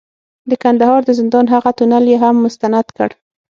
د کندهار د زندان هغه تونل یې هم مستند کړ،